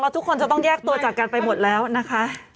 ทุกคนจะต้องแยกตัวจากกันไปหมดแล้วนะคะ